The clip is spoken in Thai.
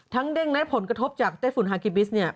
เด้งและผลกระทบจากไต้ฝุ่นฮากิบิสเนี่ย